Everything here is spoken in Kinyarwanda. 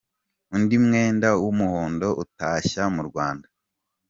Undi mwenda w’umuhondo utashye mu Rwanda.